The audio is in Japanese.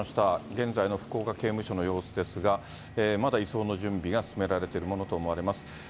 現在の福岡刑務所の様子ですが、まだ移送の準備が進められているものと思われます。